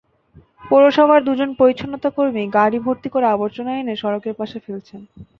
পৌরসভার দুজন পরিচ্ছন্নতাকর্মী গাড়ি ভর্তি করে আবর্জনা এনে সড়কের পাশে ফেলছেন।